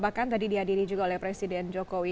bahkan tadi dihadiri juga oleh presiden jokowi